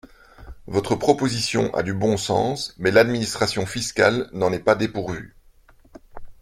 Votre proposition a du bon sens mais l’administration fiscale n’en est pas dépourvue.